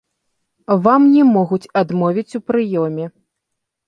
Вам не могуць адмовіць у прыёме.